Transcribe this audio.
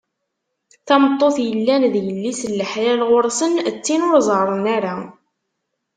Tameṭṭut yellan d yelli-s n laḥlal ɣur-sen, d tin ur ẓerren ara.